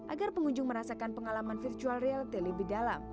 agar pengunjung merasakan pengalaman virtual realty lebih dalam